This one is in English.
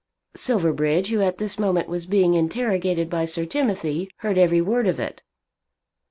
Silverbridge, who at this moment was being interrogated by Sir Timothy, heard every word of it.